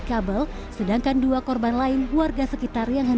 total korban berapa pak sekarang pak